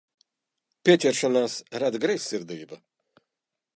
Pieķeršanās rada greizsirdību.